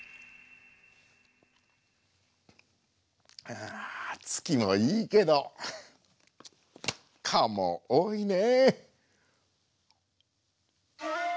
ああ月もいいけど蚊も多いね！